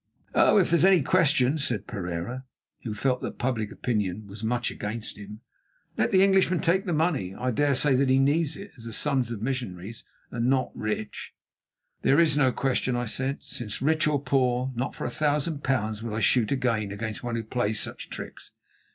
"Oh! if there is any question," said Pereira, who felt that public opinion was much against him, "let the Englishman take the money. I dare say that he needs it, as the sons of missionaries are not rich." "There is no question," I said, "since, rich or poor, not for a thousand pounds would I shoot again against one who plays such tricks.